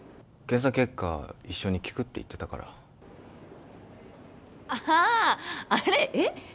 検査結果一緒に聞くって言ってたからあああれえっ？